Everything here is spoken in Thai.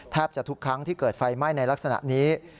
จะทุกครั้งที่เกิดไฟไหม้ในลักษณะนี้